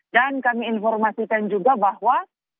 dan kami informasikan juga bahwa